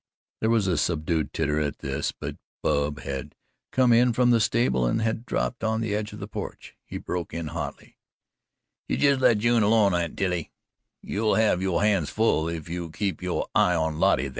There was a subdued titter at this, but Bub had come in from the stable and had dropped on the edge of the porch. He broke in hotly: "You jest let June alone, Aunt Tilly, you'll have yo' hands full if you keep yo' eye on Loretty thar."